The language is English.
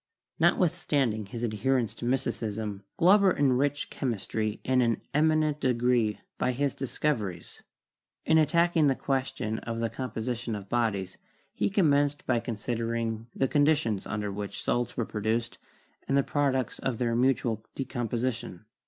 Notwithstanding his adherence to mysticism, Glauber enriched chemistry in an eminent degree by his discov !Fig. 14 — Glauber's 'Iron Man.' eries. In attacking the question of the composition of bodies, he commenced by considering the conditions under which certain salts were produced, and the products of their mutual decomposition.